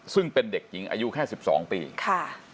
ซึ่งเป็นเด็กหญิงอายุแค่สิบสองปีค่ะ